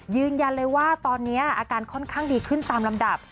ยืนยันเลยว่าตอนนี้อาการค่อนข้างดีขึ้นตามลำดับ